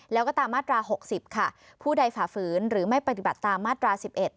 แล้วก็ตามมาตรา๖๐ค่ะผู้ใดฝ่าฝืนหรือไม่ปฏิบัติตามมาตรา๑๑